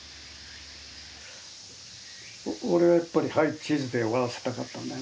俺はやっぱり「はいチーズ」で終わらせたかったんだよね。